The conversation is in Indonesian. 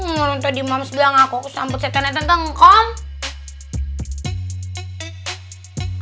ngomong tadi mams bilang aku kesambet satannya tentang kamu